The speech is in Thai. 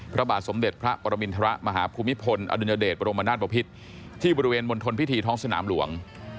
พระบาทสมเด็จพระปรบิณฐระมหาภูมิพลอดุญเดชร์บรมนาตรปภิษฐ์ที่บริเวณบนทนพิธีท้องสนามหลวง